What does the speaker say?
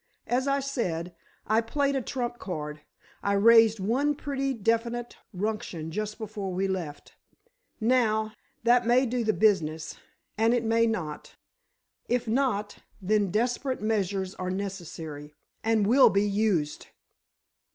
As I said, I played a trump card—I raised one pretty definite ruction just before we left. Now, that may do the business—and, it may not! If not, then desperate measures are necessary—and will be used!"